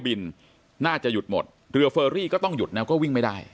น่าจะหยุดหมดเรือเฟอรี่ก็ต้องหยุดแล้วก็วิ่งไม่ได้